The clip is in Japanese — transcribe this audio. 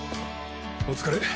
お疲れ。